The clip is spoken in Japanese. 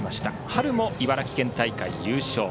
春も茨城県大会優勝。